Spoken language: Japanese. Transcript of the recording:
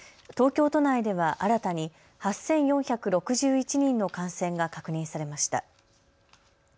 東京都内では新たに８４６１人の感染が確認されました。